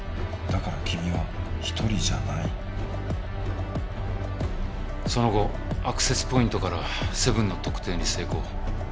「だから君は一人じゃない」その後アクセスポイントからセブンの特定に成功。